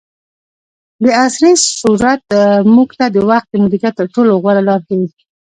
دعصري سورت موږ ته د وخت د مدیریت تر ټولو غوره لار ښیي.